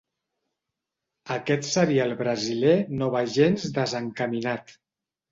Aquest serial brasiler no va gens desencaminat.